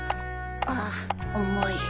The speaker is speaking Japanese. ああ重い。